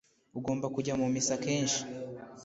Ugomba kujya mu misa kenshi